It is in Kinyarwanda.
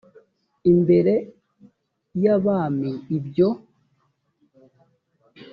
imbere y abami ibyo